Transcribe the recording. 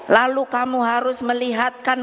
lalu kamu harus melihatkan